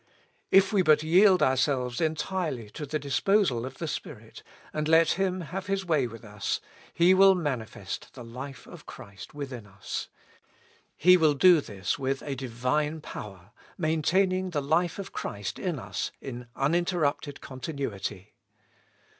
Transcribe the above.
If we but yield ourselves entirely to the disposal of the Spirit, and let Him have His way with us, He will manifest the life of Christ within us. He will do this with a Divine power, maintaining the life of Christ in us in uninterrupted continuity.